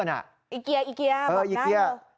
อิเกียแบบนั้นโถ